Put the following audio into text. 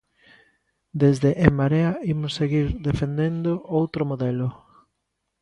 Desde En Marea imos seguir defendendo outro modelo.